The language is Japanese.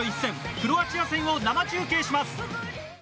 クロアチア戦を生中継します。